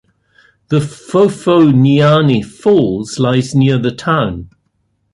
The Phophonyane Falls lie near the town.